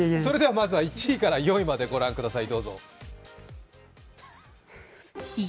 まずは１位から４位まで御覧ください。